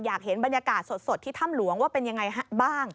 อยากเห็นบรรยากาศสดที่ถ้ำหลวงว่าเป็นยังไงบ้าง